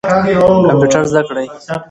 کمپیوټر زده کړئ.